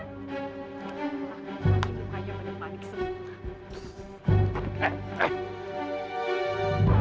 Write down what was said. kaya banyak banyak semua